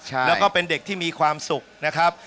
แล้วก็เป็นเด็กที่มีความสุขนะครับ